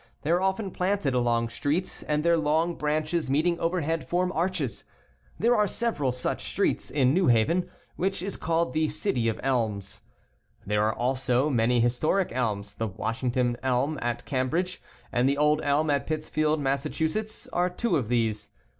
They are often planted along streets, and their long branches meeting overhead form arches. There are several such streets in New Haven, which is called the " City of Elms." There are also many historic elms. The Wash ington Elm at Cambridge, and the old elm at Pittsfield, Massachusetts, are two of these.